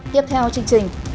tiếp theo chương trình